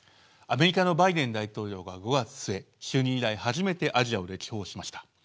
アメリカのバイデン大統領が５月末就任以来初めてアジアを歴訪しました。